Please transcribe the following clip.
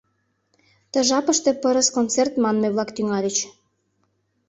Ты жапыште пырыс концерт манме-влак тӱҥальыч.